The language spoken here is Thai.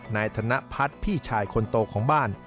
นายธนพัฒน์พี่ชายคนโตของบ้าน